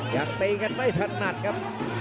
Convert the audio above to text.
ยังตีกันไม่ถนัดครับ